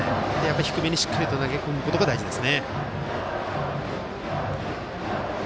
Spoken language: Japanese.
低めにしっかり投げ込むことが大事ですね。